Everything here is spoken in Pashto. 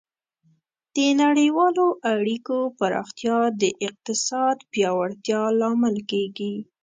د نړیوالو اړیکو پراختیا د اقتصاد پیاوړتیا لامل کیږي.